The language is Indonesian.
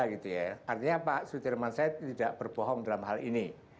artinya pak sudirman said tidak berbohong dalam hal ini